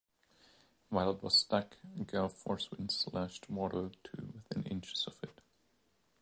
While it was stuck, gale force winds lashed water to within inches of it.